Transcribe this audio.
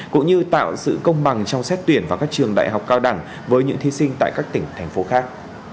cũng như tạo sự công bằng trong xét tuyển vào các trường đại học cao đẳng với những thí sinh tại các tỉnh thành phố khác